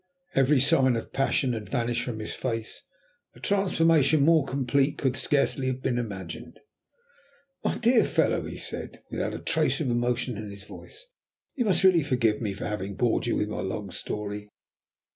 Every sign of passion had vanished from his face. A transformation more complete could scarcely have been imagined. "My dear fellow," he said, without a trace of emotion in his voice, "you must really forgive me for having bored you with my long story.